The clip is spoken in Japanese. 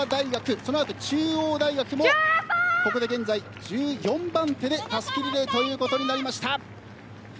そのあと中央大学もここで現在１４番手でたすきリレーということになりました。